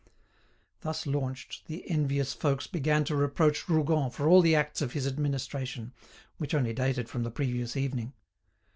Thus launched, the envious folks began to reproach Rougon for all the acts of his administration, which only dated from the previous evening.